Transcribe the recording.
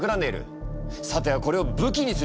さてはこれを武器にする気だな？